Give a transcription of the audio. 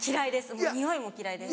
もうにおいも嫌いです。